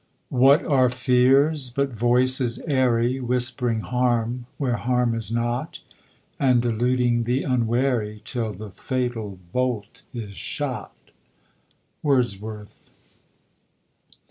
What are fears, but voices airy VRiisp'ring harm, where harm is not ? And deluding the unwary, Till the fatal bolt is shot ? Wordsworth.